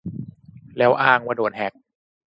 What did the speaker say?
แล้วอ้างว่าโดนแฮค